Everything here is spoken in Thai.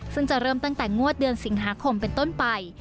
ซึ่งจะเริ่มตั้งแต่งวดเดือนสิงหาคมเป็นต้นไป